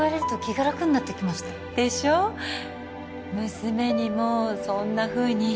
娘にもそんなふうに